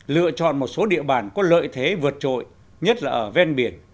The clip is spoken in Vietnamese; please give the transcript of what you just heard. lựa chọn một số địa bàn có lợi thế vượt trội nhất là ở ven biển